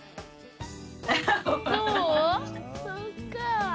そっか。